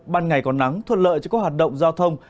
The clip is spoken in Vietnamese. ban ngày có nắng thuận lợi cho các hoạt động giao thông